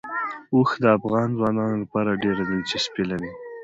اوښ د افغان ځوانانو لپاره ډېره دلچسپي لري.